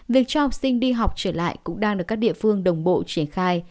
việc cho học sinh đi học trở lại cũng đang được các địa phương đồng bộ triển khai